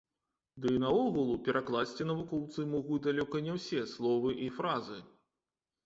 Ды наогул, перакласці навукоўцы могуць далёка не ўсе словы і фразы.